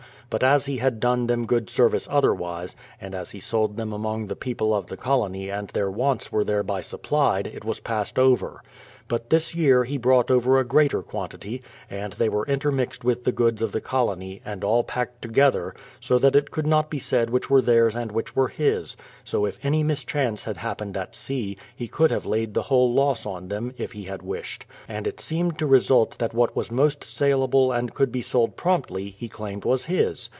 But as he had done them good service otherwise, and as he sold them among the people of the colony and their wants were thereby supplied, it was passed over. But this year he brought over a greater quantity, and they were intermixed with the goods of the colony, and all packed together, so that it could not be said which were theirs and which were his ; so if any mis chance had happened at sea, he could have laid the whole loss on them, if he had wished. And it seemed to result that what was most saleable and could be sold promptly, he claimed was his!